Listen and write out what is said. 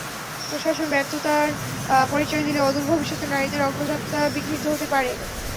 প্রশাসন ব্যর্থতার পরিচয় দিলে অদূর ভবিষ্যতে নারীদের অগ্রযাত্রা বিঘ্নিত হতে পারে।